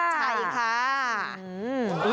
ใช่ค่ะ